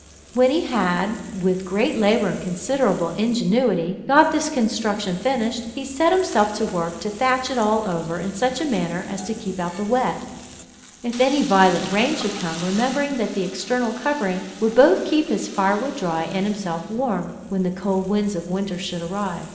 When he had, with great labour and considerable ingenuity, got this construction finished, he set himself to work to thatch it all over, in such a manner as to keep out the wet, if any violent rain should come, remembering that the external covering would both keep his firewood dry and himself warm, when the cold winds of winter should arrive.